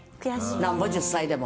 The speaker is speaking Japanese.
なんぼ１０歳でも。